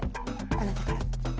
あなたから。